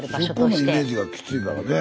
そこのイメージがきついからね。